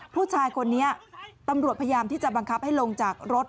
ผู้ชายคนนี้ตำรวจพยายามที่จะบังคับให้ลงจากรถ